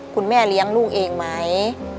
คุณแม่เลี้ยงลูกเองไหม